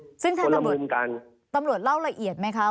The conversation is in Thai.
คนละมือเหมือนกันซึ่งแทนตำรวจตำรวจเล่าละเอียดไหมคะ